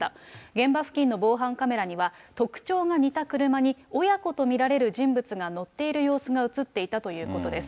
現場付近の防犯カメラには、特徴が似た車に、親子と見られる人物が乗っている様子が写っていたということです。